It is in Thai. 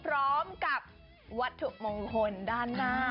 พร้อมกับวัตถุมงคลด้านหน้า